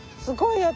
すごい！